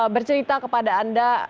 bercerita kepada anda